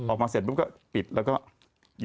ออกมาเสร็จปุ๊บก็ปิดแล้วก็